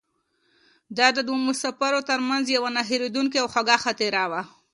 دا د دوو مسافرو تر منځ یوه نه هېرېدونکې او خوږه خاطره وه.